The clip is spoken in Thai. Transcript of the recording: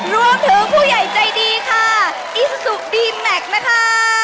รวมถึงผู้ใหญ่ใจดีค่ะอีซุสุดีแมกนะคะ